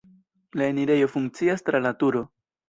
La enirejo funkcias tra la turo.